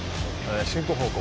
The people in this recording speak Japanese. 進行方向